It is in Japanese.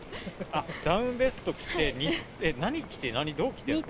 ダウンベスト着て、えっ？